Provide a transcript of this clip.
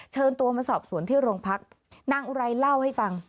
เชิญตัวมาสอบสวนที่โรงพักนางอุไรเล่าให้ฟัง